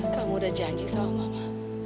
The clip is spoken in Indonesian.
kamu udah janji sama mama